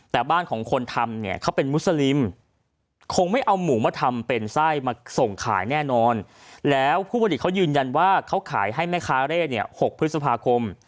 แต่บ้านของคนทำเนี่ยเขาเป็นมุสลิมคงไม่เอาหมูมาทำเป็นไส้มาส่งขายแน่นอนแล้วผู้ผลิตเขายืนยันว่าเขาขายให้แม่ค้าเร่เนี่ย๖พฤษภาคม